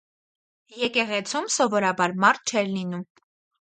Եկեղեցում սովորաբար մարդ չէր լինում: